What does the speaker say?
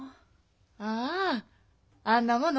あああんなもの